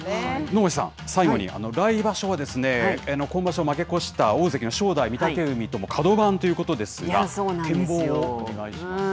能町さん、最後に来場所は、今場所、負け越した大関の正代、御嶽海とも角番ということですが、展望をお願いします。